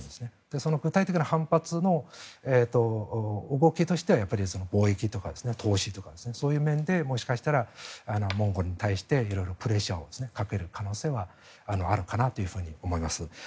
その具体的な反発の動きとしてはやっぱり貿易とか投資とかそういう面でもしかしたらモンゴルに対して色々プレッシャーをかける可能性はあるかなというふうに思います。